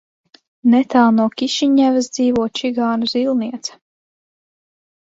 Netālu no Kišiņevas dzīvo čigānu zīlniece.